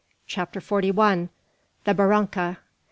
CHAPTER FORTY ONE. THE BARRANCA.